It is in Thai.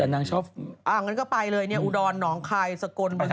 แต่นางชอบอ้างั้นก็ไปเลยเนี่ยอุดรหนองคายสกลบริษัท